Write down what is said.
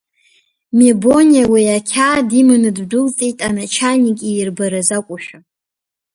Мебониа уи ақьаад иманы ддәылҵит аначальник иирбаразы акәушәа.